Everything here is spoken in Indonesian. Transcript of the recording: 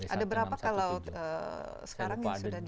ada berapa kalau sekarang yang sudah di